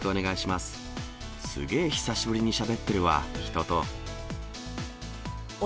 すげー久しぶりにしゃべってるわ、人と。